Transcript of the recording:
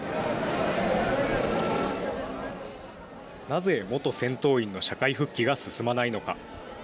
なぜ元戦闘員の社会復帰が進まないのか。